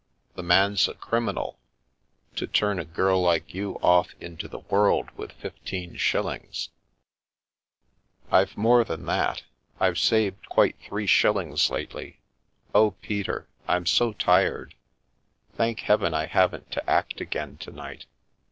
The man's a criminal — to turn a girl like you off into the world with fifteen shillings 1 " "I've more than, that; I've saved quite three shil lings lately. Oh, Peter, I'm so tired! Thank Heaven, I haven't to act again to night.